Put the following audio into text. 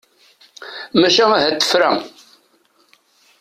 Maca ahat tefra.